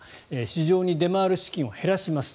市場に出回る資金を減らします。